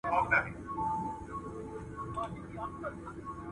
د فرهنګي او ټولنیزو تفاوتونو ارزونه مهمه ده.